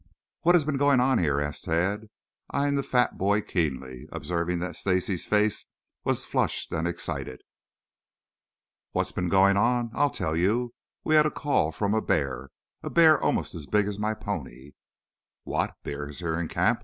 "What has been going on here?" asked Tad, eyeing the fat boy keenly, observing that Stacy's face was flushed and excited. "What's been going on? I'll tell you. We had a call from a bear, a bear almost as big as my pony." "What, bears here in camp?"